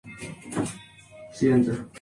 Oh, no te preocupes, cariño.